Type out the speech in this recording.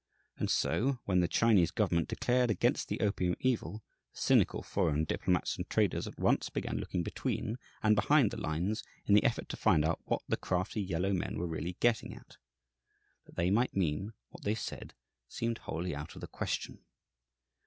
And so, when the Chinese government declared against the opium evil, the cynical foreign diplomats and traders at once began looking between and behind the lines in the effort to find out what the crafty yellow men were really getting at. That they might mean what they said seemed wholly out of the question.